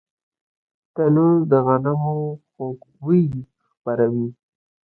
تنور د غنمو خوږ بوی خپروي